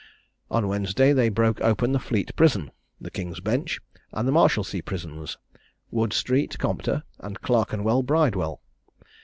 "On Wednesday they broke open the Fleet Prison, the King's Bench and Marshalsea Prisons, Wood street Compter, and Clerkenwell Bridewell.